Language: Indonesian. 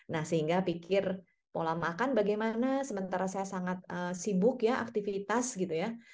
nah sehingga pikir pola makan bagaimana sementara saya sangat sibuk ya aktivitas gitu ya